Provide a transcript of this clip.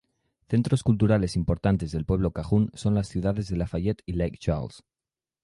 Centros culturales importantes del pueblo cajún son las ciudades de Lafayette y Lake Charles.